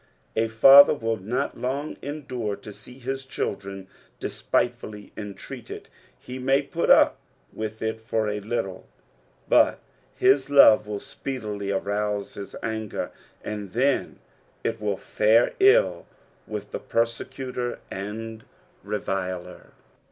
A father will not long endure to see hia children despitefuUy entreated ; he may put up with it for a little, but his love will speedily arouse bis anger, and then it will fare ill with the persecutor and reviler.